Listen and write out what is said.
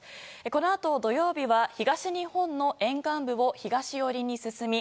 このあと土曜日は東日本の沿岸部を東寄りに進み